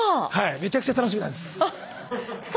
めちゃくちゃ楽しみなんです。